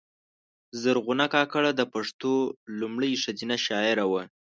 زرغونه کاکړه د پښتو لومړۍ ښځینه شاعره وه